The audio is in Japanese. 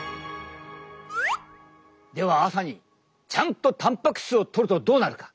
では朝にちゃんとたんぱく質をとるとどうなるか？